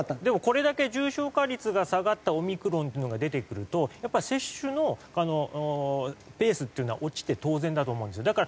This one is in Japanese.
でもこれだけ重症化率が下がったオミクロンというのが出てくるとやっぱ接種のペースっていうのは落ちて当然だと思うんですよ。